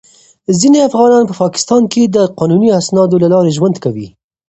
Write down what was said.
ځینې افغانان په پاکستان کې د قانوني اسنادو له لارې ژوند کوي.